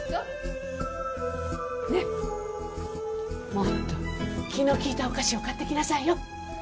もっと気の利いたお菓子を買ってきなさいよ。